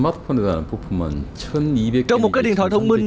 trong một cái điện thoại thông minh